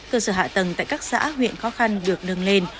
cơ sở hạ tầng tại các xã huyện khó khăn được nâng lên